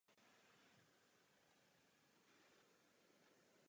Společnost Universal Studios vydala film v několika odlišných verzí.